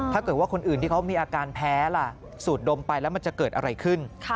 ถ้าเกิดว่าคนอื่นที่เขามีอาการแพ้ล่ะสูดดมไปแล้วมันจะเกิดอะไรขึ้น